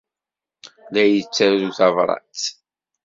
La ittaru tabṛat.